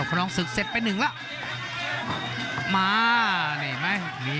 โหโหโหโหโหโหโหโหโหโห